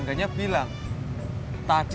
neng ani sibuk bos